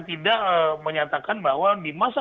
tidak menyatakan bahwa di masa